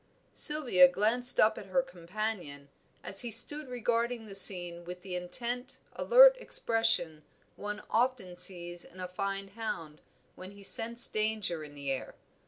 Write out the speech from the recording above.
Sylvia glanced up at her companion, as he stood regarding the scene with the intent, alert expression one often sees in a fine hound when he scents danger in the air.